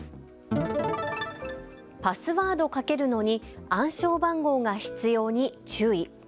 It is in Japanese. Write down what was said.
パスワードかけるのに暗証番号が必要に注意。